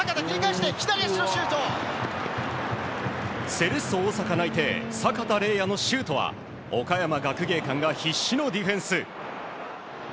セレッソ大阪内定阪田澪哉のシュートは岡山学芸館が必死のディフェンス。